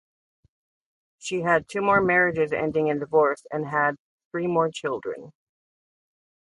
She had two more marriages ending in divorce and had three more children.